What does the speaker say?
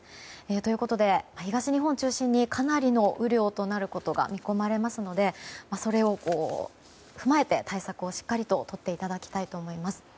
ということで、東日本中心にかなりの雨量となることが見込まれますのでそれを踏まえて対策をしっかりととっていただきたいと思います。